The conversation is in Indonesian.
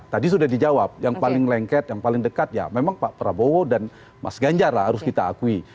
tadi sudah dijawab yang paling lengket yang paling dekat ya memang pak prabowo dan mas ganjar lah harus kita akui